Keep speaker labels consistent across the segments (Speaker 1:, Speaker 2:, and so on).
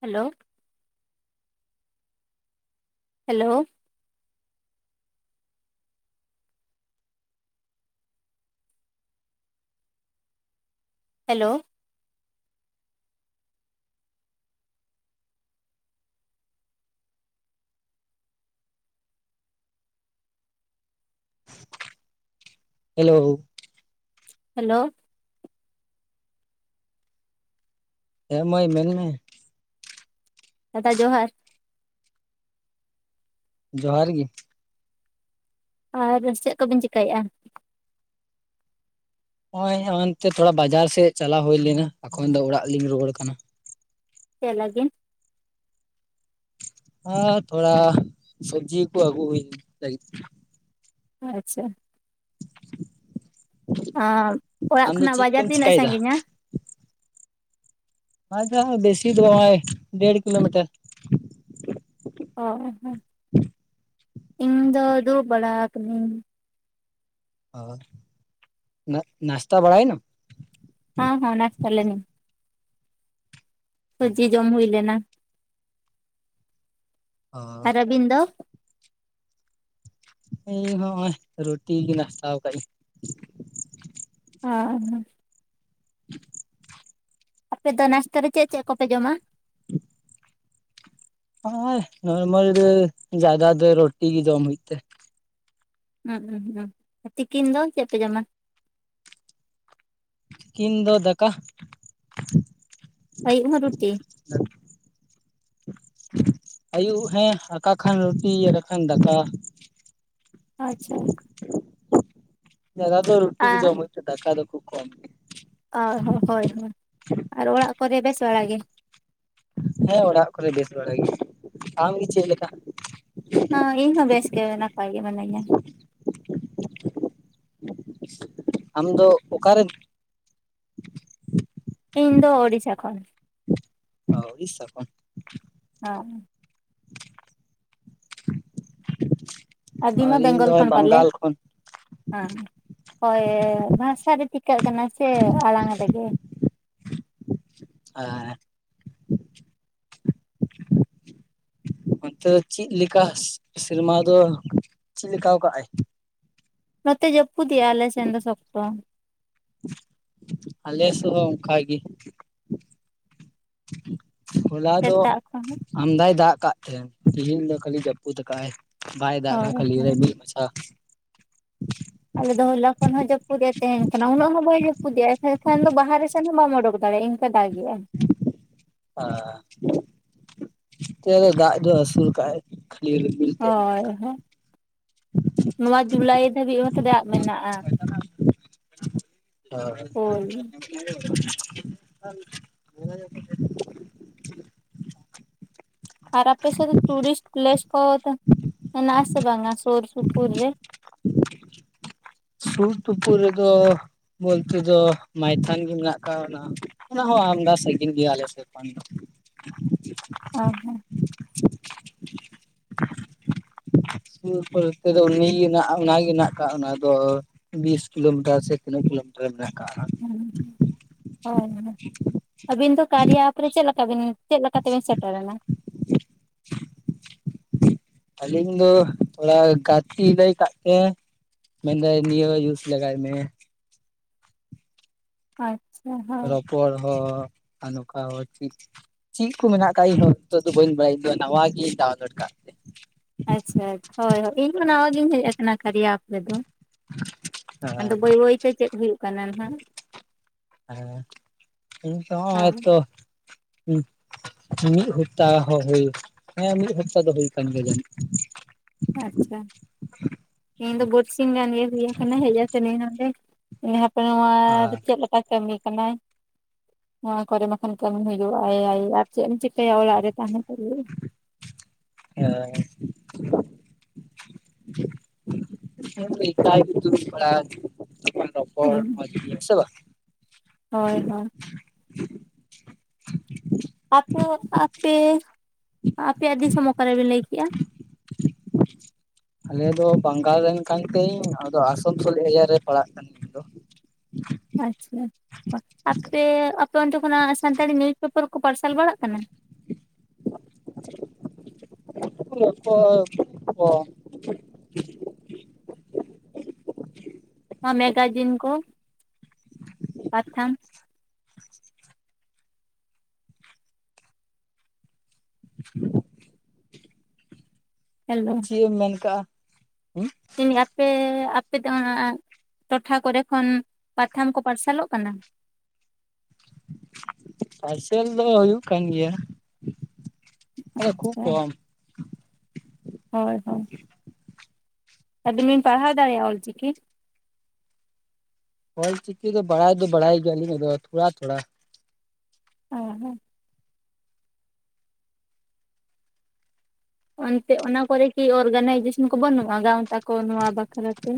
Speaker 1: Hello? Hello? Hello?
Speaker 2: Hello?
Speaker 1: Hello?
Speaker 2: ᱦᱮᱸ ᱢᱟᱹᱭ ᱢᱮᱱ ᱢᱮ?
Speaker 1: ᱫᱟᱫᱟ ᱡᱚᱦᱟᱨ ᱾
Speaker 2: ᱡᱚᱦᱟᱨ ᱜᱤ ᱾
Speaker 1: ᱟᱨ ᱪᱮᱜ ᱠᱚᱵᱤᱱ ᱪᱤᱠᱟᱭᱮᱜᱼᱟ?
Speaker 2: ᱦᱚᱭ ᱚᱱᱛᱮ ᱛᱷᱚᱲᱟ ᱵᱟᱡᱟᱨ ᱥᱮᱫ ᱪᱟᱞᱟᱣ ᱦᱩᱭ ᱞᱮᱱᱟ ᱮᱠᱷᱚᱱ ᱫᱚ ᱚᱲᱟᱜ ᱞᱤᱧ ᱨᱩᱣᱟᱹᱲ ᱠᱟᱱᱟ᱾
Speaker 1: ᱪᱮᱜ ᱞᱟᱹᱜᱤᱱ?
Speaker 2: ᱟ ᱛᱷᱚᱲᱟ ᱥᱚᱵᱽᱡᱤ ᱠᱚ ᱟᱜᱩ ᱦᱩᱭ ᱞᱟᱹᱜᱤᱫ᱾
Speaker 1: ᱟᱪᱷᱟ ᱾ ᱚᱲᱟᱜ
Speaker 2: ᱟᱢ ᱫᱚ
Speaker 1: ᱠᱷᱚᱱᱟᱜ
Speaker 2: ᱪᱮᱫ
Speaker 1: ᱵᱟᱡᱟᱨ
Speaker 2: ᱠᱚᱢ
Speaker 1: ᱛᱤᱱᱟᱹᱜ
Speaker 2: ᱪᱤᱠᱟᱭᱮᱫᱟ
Speaker 1: ᱥᱟᱺᱜᱤᱧᱟ?
Speaker 2: ᱯᱟᱡᱟᱣ ᱵᱮᱥᱤ ᱫᱚ ᱵᱟᱭ ᱰᱮᱲ ᱠᱤᱞᱳ ᱢᱤᱴᱟᱨ ᱾
Speaker 1: ᱦᱳᱭ ᱾
Speaker 2: [inaudible]
Speaker 1: ᱤᱧ ᱫᱚ ᱫᱩᱲᱩᱵ ᱵᱟᱲᱟ ᱠᱟᱱᱟᱹᱧ ᱾
Speaker 2: ᱚ ᱱᱟᱥᱛᱟ ᱵᱟᱲᱟᱭᱮᱱᱟᱢ?
Speaker 1: ᱦᱚᱸ ᱦᱳ ᱱᱟᱥᱛᱟ ᱞᱮᱱᱟᱹᱧ ᱾ ᱥᱚᱵᱽᱡᱤ ᱡᱚᱢ ᱦᱩᱭ ᱞᱮᱱᱟ ᱾
Speaker 2: ᱚ
Speaker 1: ᱟᱨ ᱟᱵᱤᱱ ᱫᱚ?
Speaker 2: ᱤᱧ ᱦᱚᱸᱜᱼᱚᱭ ᱨᱩᱴᱤ ᱜᱮ ᱱᱟᱥᱛᱟᱣ ᱟᱠᱟ ᱤᱧ᱾
Speaker 1: ᱦᱚᱸ᱾
Speaker 2: [unintelligible]
Speaker 1: ᱟᱯᱮ ᱫᱚ ᱱᱟᱥᱛᱟ ᱨᱮ ᱪᱮᱫ-ᱪᱮᱫ ᱠᱚᱯᱮ ᱡᱚᱢᱟ?
Speaker 2: [unintelligible] ᱦᱚ ᱱᱚᱨᱢᱟᱞ ᱨᱮ ᱡᱟᱫᱟ ᱫᱚ ᱨᱩᱴᱤ ᱜᱮ ᱡᱚᱢ ᱦᱩᱭᱩᱜ ᱛᱮ ᱾
Speaker 1: ᱩᱸᱸᱸ ᱛᱤᱠᱤᱱ ᱫᱚ ᱪᱮᱫ ᱯᱮ ᱡᱚᱢᱟ?
Speaker 2: ᱛᱤᱠᱤᱱ ᱫᱚ ᱫᱟᱠᱟ᱾
Speaker 1: ᱟᱹᱭ ᱚᱱᱟ ᱨᱩᱴᱤ ᱾
Speaker 2: ᱟᱹᱩᱵ ᱦᱮᱸ ᱟᱠᱟ ᱠᱷᱟᱱ ᱨᱩᱴᱤ ᱟᱠᱟ ᱠᱷᱟᱱ ᱫᱟᱠᱟ ᱾
Speaker 1: ᱟᱪᱪᱷᱟ ᱾
Speaker 2: ᱡᱟᱫᱟ ᱫᱚ ᱨᱩᱴᱤ ᱜᱮ
Speaker 1: ᱟᱨ
Speaker 2: ᱡᱚᱢ ᱦᱩᱭᱩᱜ ᱠᱟᱠᱟ ᱫᱚ ᱠᱚᱢ ᱾
Speaker 1: ᱚ ᱦᱚᱸ ᱦᱚᱭ ᱦᱚᱭ ᱟᱨ ᱚᱲᱟᱜ ᱠᱚᱨᱮ ᱵᱮᱥ ᱵᱟᱲᱟᱜ ᱜᱮ?
Speaker 2: ᱦᱮᱸ ᱚᱲᱟᱜ ᱠᱚᱨᱮ ᱵᱮᱥ ᱵᱟᱲ ᱜᱮ ᱾ ᱟᱢᱜᱮ ᱪᱮᱫ ᱞᱮᱠᱟ?
Speaker 1: ᱦᱚᱸ ᱤᱧᱦᱚ ᱵᱮᱥ ᱜᱮ ᱱᱟᱯᱟᱭ ᱜᱮ ᱢᱟᱱᱮᱧᱟ ᱾
Speaker 2: ᱟᱢ ᱫᱚ ᱚᱠᱟᱨᱮ?
Speaker 1: ᱤᱧ ᱫᱚ ᱩᱲᱤᱥᱟ ᱠᱷᱚᱱ ᱾
Speaker 2: ᱦᱚ ᱩᱲᱤᱥᱟ ᱠᱷᱚᱱ ᱾
Speaker 1: ᱦᱚᱸ ᱾ ᱟᱵᱤᱱ ᱢᱟ
Speaker 2: ᱟᱨ ᱤᱧ
Speaker 1: ᱵᱮᱝᱜᱚᱞ
Speaker 2: ᱫᱚ
Speaker 1: ᱠᱷᱟᱱ ᱯᱟᱞᱮ?
Speaker 2: ᱵᱟᱝᱜᱟᱞ ᱠᱷᱚᱱ
Speaker 1: ᱦᱮᱸ ᱦᱚᱭᱻ ᱵᱷᱟᱥᱟ ᱨᱮ ᱴᱷᱤᱠᱟᱹᱜ ᱠᱟᱱᱟ ᱥᱮ ᱟᱲᱟᱝ ᱨᱮᱜᱮ ᱾
Speaker 2: [unintelligible] ᱚᱱᱛᱮ ᱪᱮᱫ ᱞᱮᱠᱟ ᱥᱮᱨᱢᱟ ᱫᱚ ᱪᱮᱫ ᱞᱮᱠᱟ ᱠᱟᱜᱼᱟᱭ?
Speaker 1: ᱱᱚᱛᱮ ᱡᱟᱹᱯᱩᱫᱮᱜᱼᱟᱭ ᱟᱞᱮ ᱥᱮᱱ ᱫᱚ ᱥᱚᱠᱛᱚ ᱾
Speaker 2: ᱟᱞᱮ ᱥᱮᱫᱦᱚᱸ ᱚᱱᱠᱟ ᱜᱮ ᱾ ᱦᱚᱞᱟ ᱫᱚ
Speaker 1: ᱥᱮᱛᱟᱜ ᱠᱷᱚᱱ
Speaker 2: ᱟᱢᱫᱟᱭ ᱫᱟᱜ ᱟᱠᱟᱫ ᱛᱟᱦᱮᱸᱱ ᱛᱮᱦᱧ ᱫᱚ ᱠᱷᱟᱹᱞᱤ ᱡᱟᱹᱯᱩᱫ ᱟᱠᱟᱜᱼ ᱟᱭ ᱾ ᱵᱟᱭ ᱫᱟᱜ
Speaker 1: ᱦᱳᱭ
Speaker 2: ᱠᱷᱟᱹᱞᱤ
Speaker 1: ᱦᱳᱭ
Speaker 2: ᱨᱮᱢᱤᱞ ᱢᱟᱪᱷᱟ ᱾
Speaker 1: ᱟᱞᱮ ᱫᱚ ᱦᱚᱞᱟ ᱠᱷᱚᱱ ᱦᱚᱸ ᱡᱟᱹᱯᱩᱫᱮᱟᱭ ᱾ ᱛᱟᱦᱮᱱ ᱠᱟᱱᱟ ᱩᱱᱟᱹᱜ ᱦᱚᱸ ᱵᱟᱭ ᱡᱯᱩᱫᱮᱜᱼᱟ ᱮᱱᱠᱷᱟᱱ ᱫᱚ ᱵᱟᱦᱟᱨᱮ ᱥᱮᱫ ᱦᱚᱸ ᱵᱟᱢ ᱚᱰᱚᱠ ᱫᱟᱲᱮᱭᱟᱜᱼᱟ ᱾ ᱫᱟᱜᱮᱜᱼᱟᱭ ᱾
Speaker 2: ᱦᱚᱸ ᱾ ᱱᱚᱛᱮ ᱫᱟᱜ ᱫᱚ ᱟᱹᱥᱩᱞ ᱠᱟᱜᱟᱭ ᱠᱷᱟᱞᱤ ᱨᱤᱢᱤᱞ ᱛᱮᱫ
Speaker 1: ᱦᱚᱭ
Speaker 2: ᱢᱮᱱᱟᱜ ᱠᱟᱜᱼᱟ
Speaker 1: [unintelligible] ᱱᱚᱣᱟ ᱡᱩᱞᱟᱭ ᱫᱷᱟᱹᱵᱤᱡ ᱦᱚᱸ ᱛᱚ ᱫᱟᱜ ᱢᱮᱱᱟᱜᱼᱟ ᱾ ᱦᱳᱭ
Speaker 2: [inaudible]
Speaker 1: ᱟᱨ ᱟᱯᱮ ᱥᱮᱫᱚ ᱴᱩᱨᱤᱥᱴ ᱯᱮᱞᱮᱥ ᱠᱚ ᱢᱮᱱᱟᱜ ᱟ ᱥᱮ ᱵᱟᱝᱟ ᱥᱩᱨ ᱥᱩᱯᱩᱨ ᱨᱮ?
Speaker 2: ᱥᱩᱨᱼ ᱛᱩᱯᱩᱨ ᱨᱮᱫᱚ! ᱵᱚᱞᱛᱮ ᱫᱚ ᱢᱟᱭᱛᱷᱚᱱ ᱜᱮ ᱢᱮᱱᱟᱜ ᱟᱠᱟᱫ ᱚᱱᱟ ᱦᱚᱸ ᱟᱢᱫᱟ ᱥᱟᱹᱜᱤᱧ ᱜᱮᱭᱟ ᱟᱞᱮ ᱥᱮᱜᱢᱟ ᱾ [inaudible]
Speaker 1: ᱚ ᱦᱚᱸ ᱾ [inaudible]
Speaker 2: [unintelligible] ᱛᱮᱫᱚ ᱩᱱᱤᱜᱮ ᱦᱟᱱᱟᱜ ᱚᱱᱟᱜᱮ ᱦᱮᱱᱟᱜ ᱟᱠᱟ ᱚᱱᱟ ᱫᱚ ᱾ ᱵᱤᱥ ᱠᱤᱞᱳ ᱢᱤᱴᱟᱨ ᱥᱮ ᱛᱤᱱᱟᱹᱜ ᱠᱤᱞᱳᱢᱤᱴᱟᱨ ᱢᱮᱱᱟᱜ ᱠᱟᱜ-ᱟ ᱾
Speaker 1: [inaudible] ᱟᱹᱵᱤᱱ ᱫᱚ ᱠᱟᱨᱭᱟ ᱮᱯ ᱨᱮ ᱪᱮᱫ ᱞᱮᱠᱟ ᱵᱤᱱ ᱪᱮᱫ ᱞᱮᱠᱟ ᱛᱮᱵᱮᱱ ᱥᱮᱴᱮᱨ ᱮᱱᱟ?
Speaker 2: ᱟᱹᱞᱤᱧ ᱫᱚ ᱛᱷᱚᱲᱟ ᱜᱟᱛᱮ ᱞᱟᱹᱭ ᱠᱟᱜ ᱛᱮ ᱾ ᱢᱮᱱ ᱫᱟᱭ ᱱᱤᱭᱟᱹ ᱡᱤᱭᱩᱥ ᱞᱟᱜᱟᱭ ᱢᱮ ᱾
Speaker 1: ᱟᱪᱪᱷᱟ ᱦᱮᱸ ᱾
Speaker 2: ᱯᱟᱨᱠ ᱦᱚ ᱱᱚᱝᱠᱟᱱ [unintelligible] ᱪᱮᱫ ᱠᱚ ᱢᱮᱱᱟᱜ ᱟᱠᱟᱫ ᱤᱧᱦᱚᱸ ᱱᱤᱛᱚᱜ ᱫᱚ ᱵᱟᱹᱧ ᱵᱟᱲᱟᱭᱟ᱾ ᱤᱧ ᱫᱚ ᱱᱟᱣᱟ ᱜᱮ ᱰᱟᱣᱩᱱᱞᱳᱰ ᱟᱠᱟᱫ ᱛᱮ ᱾
Speaker 1: ᱟᱪᱪᱷᱟ ᱦᱚᱭ ᱾ ᱤᱧ ᱦᱚᱸ ᱱᱟᱣᱟ ᱜᱤᱧ ᱦᱮᱡ ᱟᱠᱟᱱᱟ ᱠᱟᱨᱭᱟ ᱟᱯ ᱨᱮᱫᱚ ᱾
Speaker 2: ᱦᱮᱸ
Speaker 1: ᱟᱫᱚ ᱵᱟᱹᱭ ᱵᱟᱹᱭ ᱛᱮ ᱪᱮᱫ ᱦᱩᱭᱩᱜ ᱠᱟᱱᱟ ᱦᱩᱱᱟᱜ ᱾
Speaker 2: ᱦᱮᱸ ᱤᱧ ᱛᱚ ᱦᱚᱸ ᱦᱮᱸ
Speaker 1: ᱦᱳᱭ
Speaker 2: ᱛᱚ ᱦᱮᱸ ᱢᱤᱫ ᱦᱟᱯᱛᱟ ᱦᱚᱸ ᱦᱚ ᱦᱮᱸ ᱢᱤᱫ ᱦᱟᱯᱛᱟ ᱫᱚ ᱦᱩᱭ ᱟᱠᱟᱱ ᱜᱮᱭᱟ ᱡᱟᱹᱱᱤᱡ ᱾
Speaker 1: ᱟᱪᱪᱷᱟ ᱾ ᱤᱧ ᱫᱚ
Speaker 2: ᱪᱚᱝ
Speaker 1: ᱵᱟᱹᱨᱥᱤᱧ ᱜᱟᱱ ᱜᱮ ᱦᱩᱭ ᱠᱟᱱᱟ ᱦᱮᱡ ᱠᱟᱛᱮ ᱤᱧ ᱚᱸᱰᱮ ᱾ ᱦᱟᱯᱮ ᱱᱚᱣᱟ
Speaker 2: ᱟᱨ
Speaker 1: ᱨᱮ ᱪᱮᱫ ᱞᱮᱠᱟ ᱠᱟᱹᱢᱤ ᱠᱟᱱᱟᱭ ᱾ ᱱᱚᱣᱟ ᱠᱚᱨᱮ ᱢᱟᱠᱷᱟᱱ ᱠᱟᱹᱢᱤ ᱦᱩᱭᱩᱜ ᱟᱭ ᱟᱨ ᱪᱮᱫ ᱮᱢ ᱪᱤᱠᱟᱹᱭᱟ ᱚᱲᱟᱜ ᱨᱮ ᱛᱟᱦᱮᱸᱱ [unintelligible]
Speaker 2: ᱦᱮᱸ ᱦᱮᱸ [unintelligible] ᱨᱚᱯᱚᱲ ᱢᱚᱡᱽ ᱥᱮ ᱵᱟᱝ?
Speaker 1: ᱦᱳᱭ ᱦᱳᱭ ᱾ ᱟᱯᱮ ᱟᱯᱮ, ᱟᱯᱮᱭᱟᱜ ᱫᱤᱥᱚᱢ ᱚᱠᱟᱨᱮ ᱵᱮᱱ ᱞᱟᱹᱭ ᱠᱮᱜ-ᱟ?
Speaker 2: ᱟᱞᱮ ᱫᱚ ᱵᱟᱝᱜᱟᱞ ᱨᱮᱱ ᱠᱟᱱ ᱛᱤᱧ ᱟᱫᱚ ᱟᱥᱟᱱᱥᱳᱞ ᱮᱨᱤᱭᱟ ᱨᱮ ᱯᱟᱲᱟᱜ ᱠᱟᱱᱟᱹᱧ ᱤᱧᱫᱚ ᱾
Speaker 1: ᱟᱪᱪᱷᱟ ᱟᱯᱮ ᱟᱯᱮ ᱚᱱᱛᱮ ᱠᱷᱚᱱᱟᱜ ᱥᱟᱱᱛᱟᱲᱤ ᱱᱤᱭᱩᱡ ᱯᱮᱯᱟᱨ ᱠᱚ ᱯᱟᱨᱥᱟᱞ ᱵᱟᱲᱟᱜ ᱠᱟᱱᱟ?
Speaker 2: [inaudible] [unintelligible]
Speaker 1: ᱱᱚᱣᱟ ᱢᱮᱜᱟᱡᱤᱱ ᱠᱚ, ᱯᱟᱛᱷᱟᱢ
Speaker 2: [inaudible]
Speaker 1: ᱦᱮᱞᱳ ᱾
Speaker 2: ᱪᱮᱫ ᱮᱢ ᱢᱮᱱ ᱠᱟᱜ-ᱟ? ᱦᱩᱸ
Speaker 1: ᱟᱯᱮ ᱟᱯᱮ ᱫᱚ ᱚᱱᱟ ᱴᱚᱴᱷᱟ ᱠᱚᱨᱮ ᱠᱷᱚᱱ ᱯᱟᱛᱷᱟᱢ ᱠᱚ ᱯᱟᱨᱥᱟᱞᱚᱜ ᱠᱟᱱᱟ?
Speaker 2: ᱯᱷᱟᱨᱥᱮᱞ ᱫᱚ ᱦᱩᱭᱩᱜ ᱠᱟᱱ ᱜᱮᱭᱟ, ᱟᱫᱚ ᱠᱷᱩᱵ
Speaker 1: ᱟᱪᱪᱷᱟ
Speaker 2: ᱠᱚᱢ ᱾
Speaker 1: ᱦᱳᱭ ᱦᱳᱭ ᱾ ᱟᱵᱤᱱ ᱵᱤᱱ ᱯᱟᱲᱦᱟᱣ ᱫᱟᱲᱮᱭᱟᱜ-ᱟ ᱚᱞ-ᱪᱤᱠᱤ?
Speaker 2: ᱚᱞ-ᱪᱤᱠᱤ ᱫᱚ ᱵᱟᱲᱟᱭ ᱫᱚ ᱵᱟᱲᱟᱭ ᱜᱮᱭᱟᱞᱤᱧ ᱟᱫᱚ ᱛᱷᱚᱲᱟ ᱛᱷᱚᱲᱟ ᱾
Speaker 1: ᱚ ᱦᱚ ᱾ ᱚᱱᱛᱮ ᱚᱱᱟ ᱠᱚᱨᱮ ᱠᱤ ᱚᱨᱜᱟᱱᱟᱭᱡᱮᱥᱚᱱ ᱠᱚ ᱵᱟᱹᱱᱩᱜ-ᱟ ᱜᱟᱶᱛᱟ ᱠᱚ ᱱᱚᱣᱟ ᱵᱟᱠᱷᱨᱟᱛᱮ?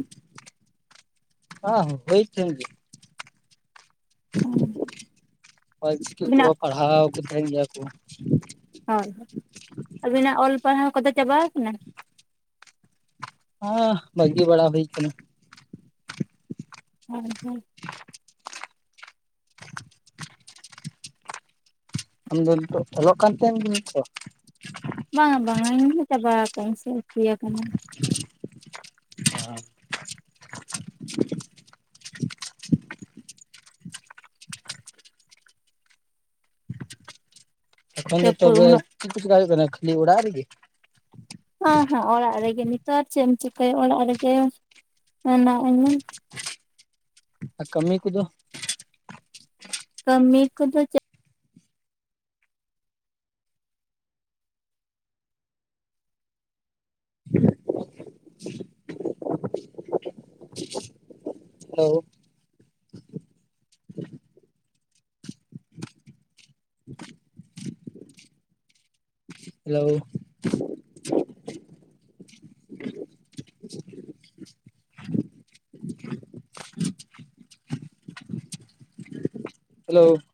Speaker 2: [unintelligible] ᱚᱞᱪᱤᱠᱟᱹ ᱠᱚ
Speaker 1: ᱟᱵᱤᱱᱟᱜ
Speaker 2: ᱯᱟᱲᱦᱟᱣ ᱠᱚ ᱛᱟᱦᱮᱱ ᱜᱮᱭᱟ ᱠᱚ ᱾
Speaker 1: ᱦᱳᱭ ᱦᱳᱭ, ᱟᱹᱵᱤᱱᱟᱜ ᱚᱞ ᱯᱟᱲᱦᱟᱣ ᱠᱚᱫᱚ ᱪᱟᱵᱟ ᱟᱠᱟᱱᱟ?
Speaker 2: ᱦᱚᱸ ᱵᱟᱜᱤ ᱵᱟᱲᱟ ᱦᱩᱭ ᱠᱟᱱᱟ ᱾
Speaker 1: [unintelligible]
Speaker 2: ᱟᱢᱫᱚ ᱱᱤᱛᱚᱜ ᱚᱞᱚᱜ ᱠᱟᱱᱛᱮ ᱜᱮ ᱱᱤᱛ ᱦᱚᱸ?
Speaker 1: ᱵᱟᱝᱟ ᱵᱟᱝᱟ ᱤᱧ ᱦᱚᱸ ᱪᱟᱵᱟ ᱟᱠᱟᱜ-ᱟᱻᱧ ᱥᱮ ᱦᱩᱭ ᱟᱠᱟᱱᱟ ᱾
Speaker 2: [inaudible] [unintelligible] ᱮᱠᱷᱚᱱ ᱫᱚ
Speaker 1: ᱡᱟᱹᱯᱩᱫ
Speaker 2: ᱛᱚᱵᱮ
Speaker 1: ᱩᱱᱟᱹᱜ
Speaker 2: ᱪᱮᱫ ᱠᱚ ᱪᱮᱠᱟ ᱦᱩᱭᱩᱜ ᱠᱟᱱᱟ ᱠᱷᱟᱹᱞᱤ ᱚᱲᱟᱜ ᱨᱮᱜᱮ?
Speaker 1: ᱦᱚᱸ ᱦᱚᱸ ᱚᱲᱟᱜ ᱨᱮᱜᱮ, ᱱᱮᱛᱟᱨ ᱪᱮᱫ ᱮᱢ ᱪᱤᱠᱟᱹᱭᱟ ᱚᱲᱟᱜ ᱨᱮᱜᱮ ᱦᱮᱱᱟᱜ ᱤᱧᱟ ᱾
Speaker 2: ᱟᱨ ᱠᱟᱹᱢᱤ ᱠᱚᱫᱚ?
Speaker 1: ᱠᱟᱹᱢᱤ ᱠᱚᱫᱚ
Speaker 2: [unintelligible] ᱦᱮᱞᱳ ᱾ ᱦᱮᱞᱳ ᱾